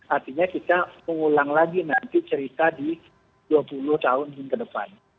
artinya kita mengulang lagi nanti cerita di dua puluh tahun ke depan